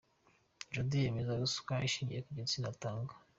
Jody yemeza ko ruswa ishingiye ku gitsina itangwa.